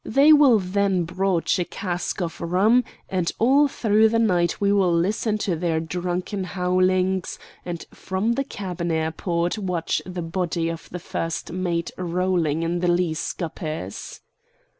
They will then broach a cask of rum, and all through the night we will listen to their drunken howlings, and from the cabin airport watch the body of the first mate rolling in the lee scuppers."